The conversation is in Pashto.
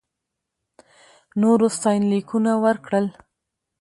نورو ستاینلیکونه ورکړل.